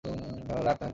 রাগ তাহার কম হয় নাই।